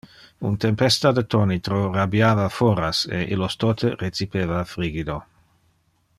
Un tempesta de tonitro rabiava foras e illos tote recipeva frigido.